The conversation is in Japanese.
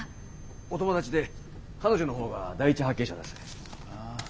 お友達で彼女のほうが第一発見者です。